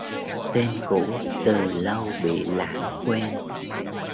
Tên cũ từ lâu bị lãng quên